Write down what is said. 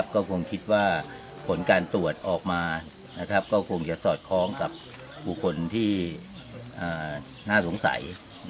ก็คงคิดว่าผลการตรวจออกมาก็คงจะสอดคล้องกับบุคคลที่น่าสงสัย